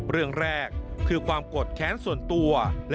เรื่องแรกคือความโกรธแค้นส่วนตัว